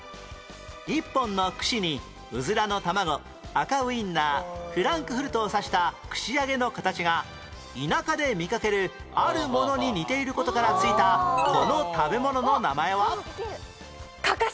１本の串にうずらの卵赤ウィンナーフランクフルトを刺した串揚げの形が田舎で見かけるあるものに似ている事から付いたこの食べ物の名前は？かかし！